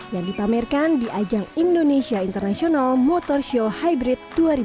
yang dipamerkan di ajang indonesia international motor show hybrid dua ribu dua puluh